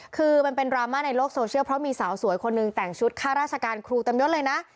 คือมันเป็นดราม่าในโลกโซเชียลเพราะมีสาวสวยคนหนึ่งแต่งชุดค่าราชการครูเต็มยดเลยนะ